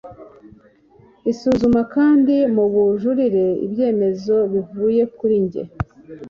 isuzuma kandi mu bujurire ibyemezo bivuye kuri njye